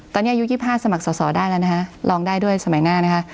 ตอนนี้อายุ๒๕สมัครสอบสอบได้แล้วลองได้ด้วยสมัยหน้า